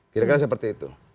kira kira seperti itu